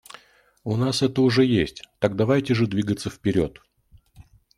У нас это уже есть; так давайте же двигаться вперед.